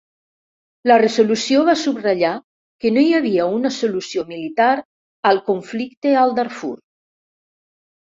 La resolució va subratllar que no hi havia una solució militar al conflicte al Darfur.